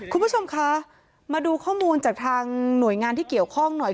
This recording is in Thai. คุณผู้ชมคะมาดูข้อมูลจากทางหน่วยงานที่เกี่ยวข้องหน่อย